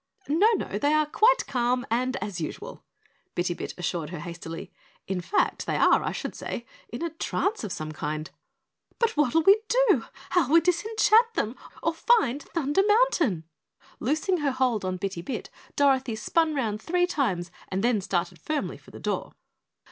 "No, no they are quite calm and as usual," Bitty Bit assured her hastily, "in fact, they are, I should say, in a trance of some kind." "But what'll we do, how'll we disenchant them or find Thunder Mountain?" Loosing her hold on Bitty Bit, Dorothy spun round three times and then started firmly for the door.